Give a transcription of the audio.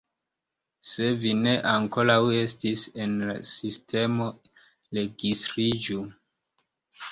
Se vi ne ankoraŭ estis en la sistemo, registriĝu.